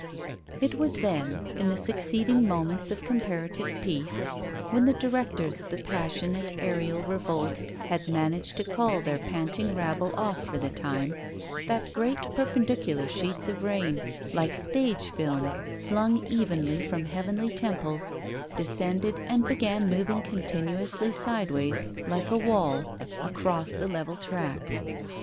It was then, in the succeeding moments of comparative peace, when the directors of the passionate aerial revolt had managed to call their panting rabble off for the time, that great perpendicular sheets of rain, like stage films slung evenly from heavenly temples, descended and began moving continuously sideways, like a wall, across the level track.